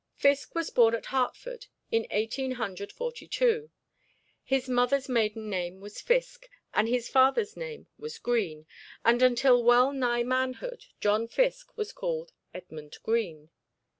Fiske was born at Hartford in Eighteen Hundred Forty two. His mother's maiden name was Fiske and his father's name was Green, and until well nigh manhood, John Fiske was called Edmund Green.